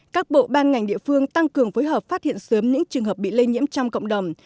các bộ ban ngành địa phương tăng cường phối hợp phát hiện sớm những trường hợp bị lây nhiễm trong cộng đồng